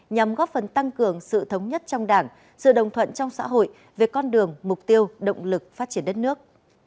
nhằm góp phần tăng cường sự thống nhất trong đảng sự đồng thuận trong xã hội về con đường mục tiêu động lực phát triển đất nước